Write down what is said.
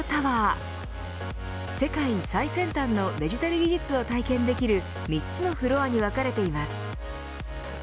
世界最先端のデジタル技術を体験できる３つのフロアに分かれています。